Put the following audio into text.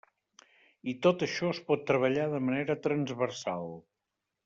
I tot això es pot treballar de manera transversal.